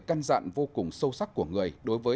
căn dặn vô cùng sâu sắc của người đối với